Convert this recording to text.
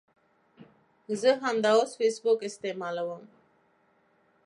زه همداوس فیسبوک استعمالوم